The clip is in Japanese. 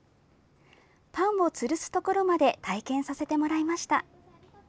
パンをつるすところまで体験させてもらいました。